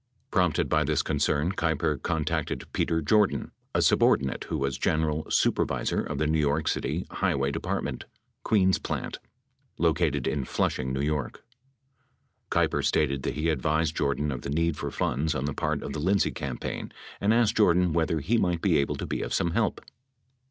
Prompted by this concern, Keiper contacted Peter Jordan, a subordinate who was general super visor of the New York City Highway Department, Queens Plant, located in Flushing, N.Y. Keiper stated that he advised Jordan of the need for funds on the part of the Lindsay campaign and asked Jordan whether he might be able to be of some help.